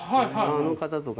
あの方とか。